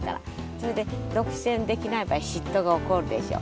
それで独占できない場合嫉妬が起こるでしょう。